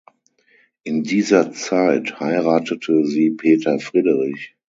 In dieser Zeit heiratete sie Peter Friederich.